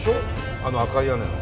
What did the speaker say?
あの赤い屋根の。